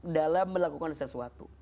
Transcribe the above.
dalam melakukan sesuatu